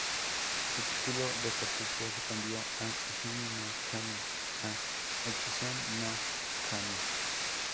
Su título de cortesía se cambió de "Izumi-no-kami" a "Echizen-no-kami.